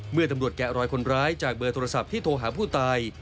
เมื่อตำรวจแกะรอยคนร้ายจากเบอร์โทรศัพท์ที่โทรหาผู้ตาย